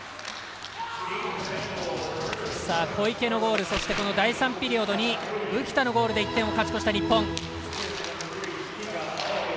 小池のゴール第３ピリオドに浮田のゴールで１点を勝ち越した日本。